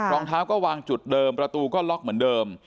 รองเท้าก็วางจุดเดิมประตูก็ล็อกเหมือนเดิม